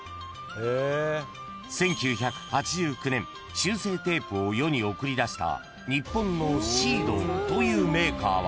［修正テープを世に送り出した日本のシードというメーカーは］